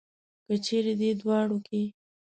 که چېرې دې دواړو کې.